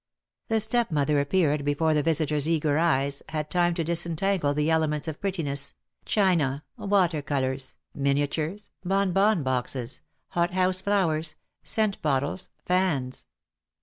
The stepmother appeared before the visitor's eager eyes had time to disentangle the elements of prettiness, china, water colours, miniatures, bonbon boxes, hot house flowers, scent bottles, fans.